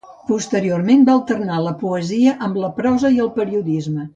Posteriorment va alternar la poesia amb la prosa i el periodisme.